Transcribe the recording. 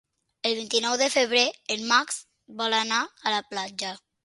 El vint-i-nou de febrer en Max vol anar a la platja.